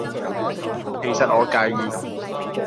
其實我介意